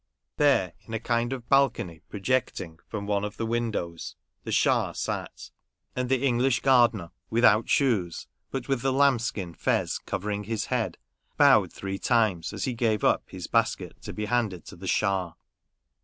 There, in a kind of balcony pro jecting from one of the windows, the Schah sat ; and the English gardener, without shoes, but with the lamb's skin " fez " covering his head, bowed low three times, as he gave up his basket to be handed to the Schah.